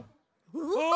うわ！